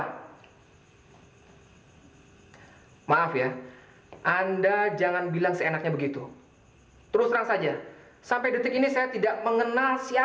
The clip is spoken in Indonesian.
hai maaf ya anda jangan bilang seenaknya begitu terus terang saja sampai detik ini saya tidak bumpanya